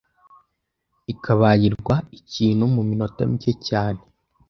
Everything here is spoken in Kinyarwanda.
akibagirwa ikintu mu minota micye cyane.